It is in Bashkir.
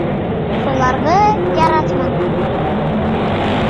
Шуларҙы яратманы.